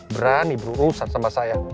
berani berurusan sama saya